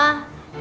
itu buat ibu